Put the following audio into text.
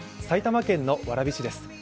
埼玉県の蕨市です。